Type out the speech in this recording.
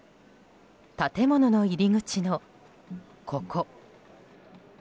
建物の入り口のここ。